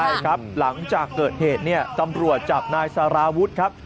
ใช่ครับหลังจากเกิดเหตุเนี่ยตำรวจจับนายสารวุฒิครับ